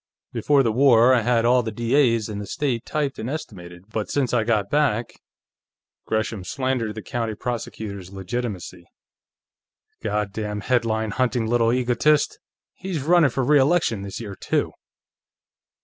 "Before the war, I had all the D.A.'s in the state typed and estimated, but since I got back " Gresham slandered the county prosecutor's legitimacy. "God damn headline hunting little egotist! He's running for re election this year, too."